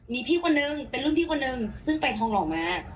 มีพี่คนนึงเป็นรุ่นพี่คนนึงซึ่งไปทองหล่อมา